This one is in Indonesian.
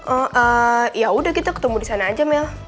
oh ya udah kita ketemu di sana aja mel